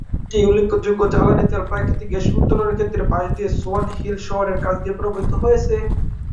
নদীটি উল্লেখযোগ্য জ্বালানী তেল ও প্রাকৃতিক গ্যাসের উত্তোলন ক্ষেত্রের পাশ দিয়ে সোয়ান হিল শহরের কাছ দিয়ে প্রবাহিত হয়েছে।